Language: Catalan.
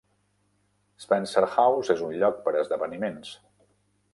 Spencer House és un lloc per a esdeveniments.